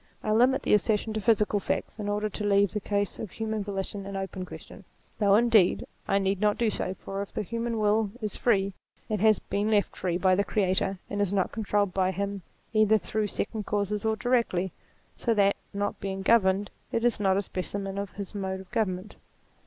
I limit the assertion to physical facts, in order to leave the case of human volition an open question : though indeed I need not do so, for if the human will is free, it has been left free by the Creator, and is not controlled by him either through second causes or directly, so that, not being governed, it is not a spe cimen of his mode of government.